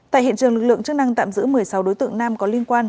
tại hiện trường lực lượng chức năng tạm giữ một mươi sáu đối tượng nam có liên quan